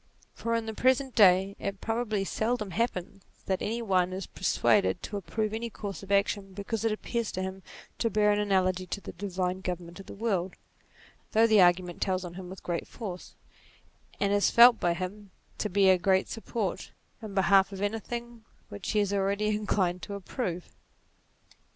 For in the present day it probably seldom happens that any one is persuaded to approve any course of action because it appears to him to bear an analogy to the divine government of the world, though the argument tells on him with great force, and is felt by him to be a great support, in behalf of anything which he is already inclined to approve.